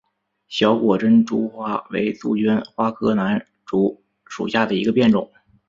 小果珍珠花为杜鹃花科南烛属下的一个变种。